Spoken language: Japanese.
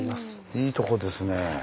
いいとこですね。